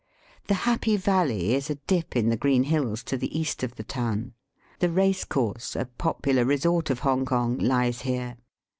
The Happy Valley is a dip in the green hills to the east of the town. The racecourse, a popular resort of Hong kong, lies here.